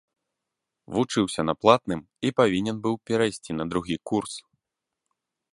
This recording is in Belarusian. Вучыўся на платным і павінен быў перайсці на другі курс.